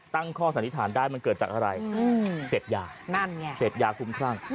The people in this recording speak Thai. ตั้งข้อสันนิษฐานได้มันเกิดจากอะไรเสพยานั่นไงเสพยาคุ้มครั่ง